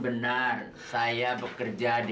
kita udah dapat gardens di